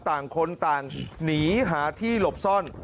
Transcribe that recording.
ต่างคนต่างหนีหาที่หลบซ่อน